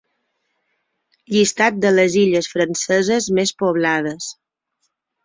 Llistat de les illes franceses més poblades.